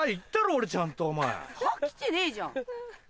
俺ちゃんとお前。は？来てねえじゃん。